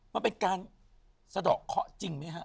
มันเป็นการสะดอกเคาะจริงไหมฮะ